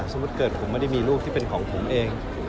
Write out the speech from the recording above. สมมุติเกิดผมไม่ได้มีลูกที่เป็นของผมเอง